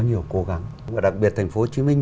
nhiều cố gắng đặc biệt thành phố hồ chí minh